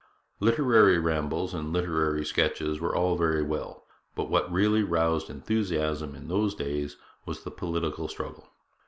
Literary rambles and literary sketches were all very well, but what really roused enthusiasm in those days was the political struggle.